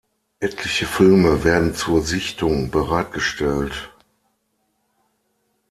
Etliche Filme werden zur Sichtung bereitgestellt.